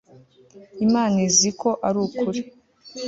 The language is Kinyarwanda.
imana izi ko arukuri